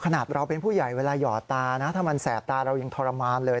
ขนาดเราเป็นผู้ใหญ่เวลาหยอดตานะถ้ามันแสบตาเรายังทรมานเลย